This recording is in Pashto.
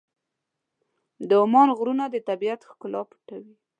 د عمان غرونه د طبیعت ښکلا پټوي.